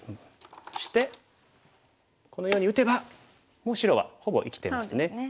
そしてこのように打てばもう白はほぼ生きてますね。